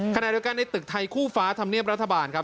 ขณะเดียวกันในตึกไทยคู่ฟ้าธรรมเนียบรัฐบาลครับ